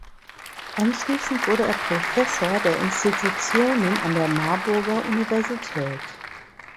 Anschließend wurde er Professor der Institutionen an der Marburger Universität.